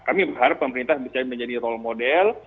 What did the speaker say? kami berharap pemerintah bisa menjadi role model